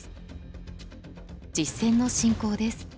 実戦の進行です。